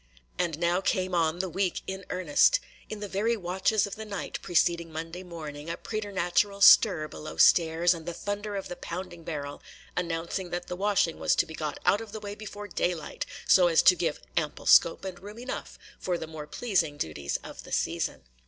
And now came on the week in earnest. In the very watches of the night preceding Monday morning, a preternatural stir below stairs, and the thunder of the pounding barrel, announced that the washing was to be got out of the way before daylight, so as to give "ample scope and room enough" for the more pleasing duties of the season.